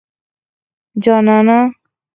جانانه